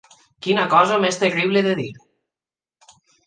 Quina cosa més terrible de dir.